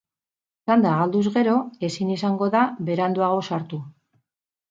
Txanda galduz gero, ezin izango da beranduago sartu.